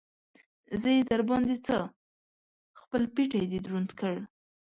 زه يې در باندې څه؟! خپل پټېی دې دروند کړ.